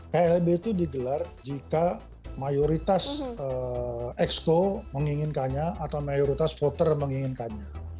klb itu digelar jika mayoritas exco menginginkannya atau mayoritas voter menginginkannya